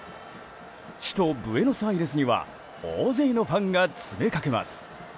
首都ブエノスアイレスには大勢のファンが詰めかけます。